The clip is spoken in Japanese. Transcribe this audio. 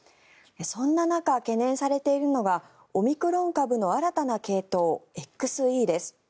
そんな中、懸念されているのはオミクロン株の新たな系統ＸＥです。